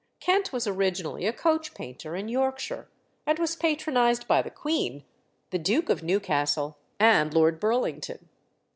Kent was originally a coach painter in Yorkshire, and was patronised by the Queen, the Duke of Newcastle, and Lord Burlington.